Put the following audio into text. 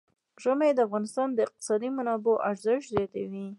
ژمی د افغانستان د اقتصادي منابعو ارزښت زیاتوي.